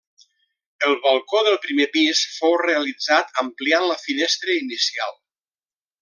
El balcó del primer pis fou realitzat ampliant la finestra inicial.